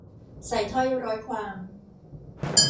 ใส่ถ้อยร้อยความ